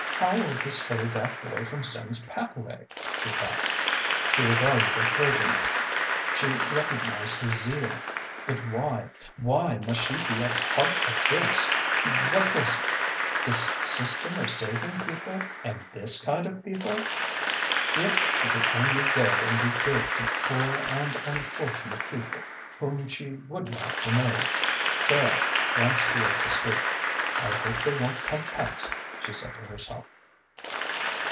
"How will this save that boy from sin's pathway?" she thought. She regarded the clergyman; she recognized his zeal. But why, why must she be a part of this what was it? this system of saving people and this kind of people? If she could only go and be good to poor and unfortunate people whom she wouldn't have to know. Clara glanced toward the street. "I hope they won't come past," she said to herself.